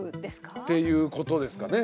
っていうことですかね。